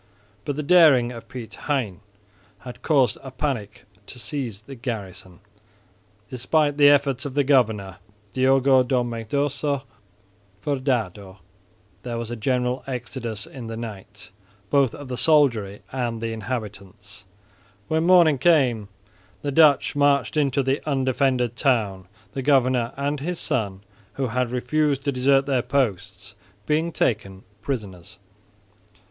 But the daring of Piet Hein had caused a panic to seize the garrison. Despite the efforts of the governor, Diogo de Mendoça Furdado, there was a general exodus in the night, both of the soldiery and the inhabitants. When morning came the Dutch marched into the undefended town, the governor and his son, who had refused to desert their posts, being taken prisoners.